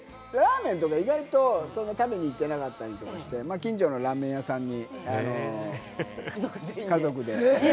ラーメンとか意外と食べに行けなかったりとかして、近所のラーメン屋さんに家族で。